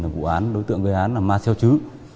vụ án đối tượng gây án là ma xeo chứ